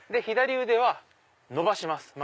左腕は伸ばします